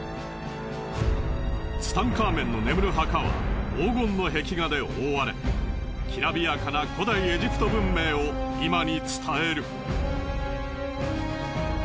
ツタンカーメンの眠る墓は黄金の壁画で覆われきらびやかな古代エジプト文明を今に伝える。